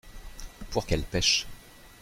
Pour qu’elles pêchent.